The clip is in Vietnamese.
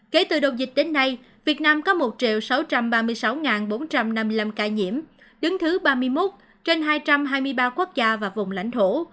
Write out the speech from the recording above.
kể từ đầu dịch đến nay việt nam có một sáu trăm ba mươi sáu bốn trăm năm mươi năm ca nhiễm đứng thứ ba mươi một trên hai trăm hai mươi ba quốc gia và vùng lãnh thổ